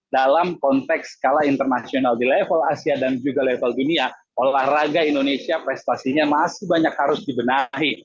dalam konteks skala internasional di level asia dan juga level dunia olahraga indonesia prestasinya masih banyak harus dibenahi